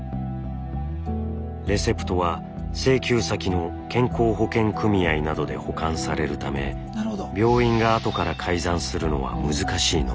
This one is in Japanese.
レセプトは請求先の健康保険組合などで保管されるため病院が後から改ざんするのは難しいのです。